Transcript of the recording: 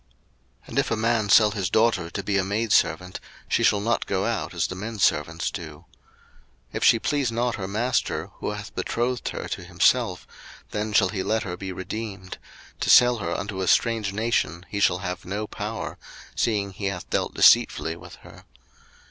02:021:007 And if a man sell his daughter to be a maidservant, she shall not go out as the menservants do. 02:021:008 If she please not her master, who hath betrothed her to himself, then shall he let her be redeemed: to sell her unto a strange nation he shall have no power, seeing he hath dealt deceitfully with her.